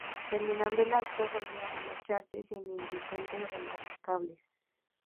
Terminado el acto, volvieron a marcharse sin incidentes remarcables.